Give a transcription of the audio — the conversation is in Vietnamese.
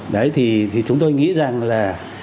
đấy thì chúng tôi nghĩ rằng là